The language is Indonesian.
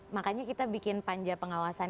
makanya kita bikin panja pengawasan